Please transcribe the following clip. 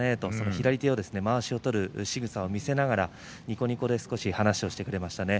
左手をまわしを取るしぐさを見せながら、にこにこで少し話をしてくれました。